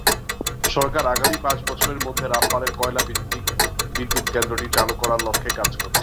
সরকার আগামী পাঁচ বছরের মধ্যে রামপালের কয়লাভিত্তিক বিদ্যুৎকেন্দ্রটি চালু করার লক্ষ্যে কাজ করছে।